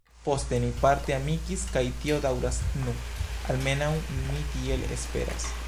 Poste ni parte amikis kaj tio daŭras nu, almenaŭ mi tiel esperas.